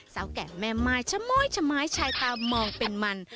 สาวแก่แม่มายชะโม๊ยชะมายชายตามองเป็นมัน